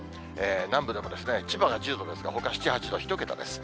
南部でも千葉が１０度ですが、ほか７、８度、１桁です。